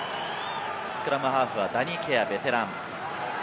スクラムハーフはダニー・ケア、ベテラン。